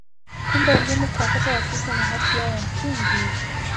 Kumbe elimu kwa watoto wa kike ni haki yao ya msingi.